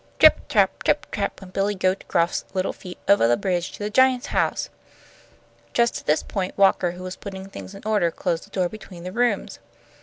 "Trip trap, trip trap, went Billy Goat Gruff's little feet ovah the bridge to the giant's house." Just at this point Walker, who was putting things in order, closed the door between the rooms.